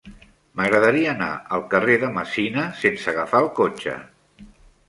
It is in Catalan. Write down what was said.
M'agradaria anar al carrer de Messina sense agafar el cotxe.